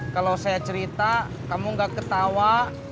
kalau saya cerita kamu gak ketawa